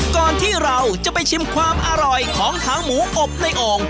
ก่อนที่เราจะไปชิมความอร่อยของหางหมูอบในโอ่ง